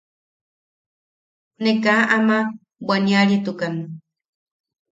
Ne kaa ama bwaniaritukan.